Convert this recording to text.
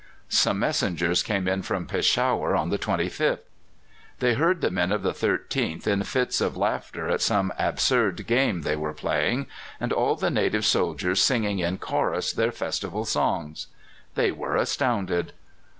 Some messengers came in from Peshawar on the 25th. They heard the men of the 13th in fits of laughter at some absurd game they were playing, and all the native soldiers singing in chorus their festival songs. They were astounded.